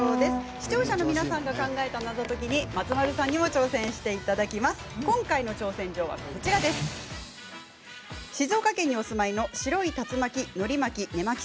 視聴者の皆さんが考えた謎解きに松丸さんにも挑戦していただきます。